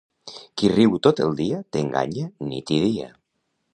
Qui riu tot el dia t'enganya nit i dia.